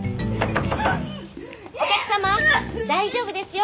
お客さま大丈夫ですよ。